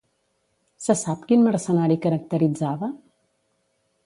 Se sap quin mercenari caracteritzava?